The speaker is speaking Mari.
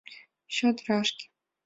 — Чодырашке.